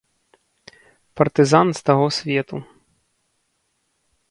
Партызан з таго свету.